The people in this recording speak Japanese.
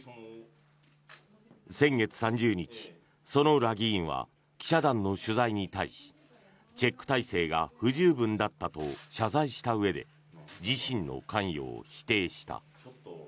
先月３０日、薗浦議員は記者団の取材に対しチェック体制が不十分だったと謝罪したうえで自身の関与を否定した。